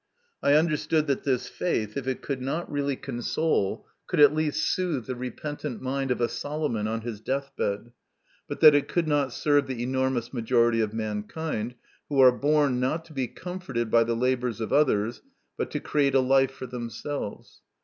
I understood that this faith, if it could not really console, could at least soothe the repentant mind of a Solomon on his death bed, but that it could not serve the enormous majority of mankind, who are born, not to be comforted by the labours of others, but to create a life for themselves.